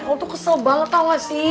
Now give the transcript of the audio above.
eh lo tuh kesel banget tau gak sih